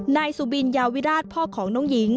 นายสุบินยาวิราชพ่อของน้องหญิง